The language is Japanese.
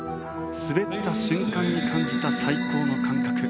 滑った瞬間に感じた最高の感覚。